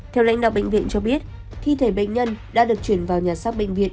theo lãnh đạo bệnh viện cho biết thi thể bệnh nhân đã được chuyển vào nhà xác bệnh viện